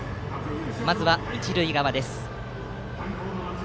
まずは一塁側です。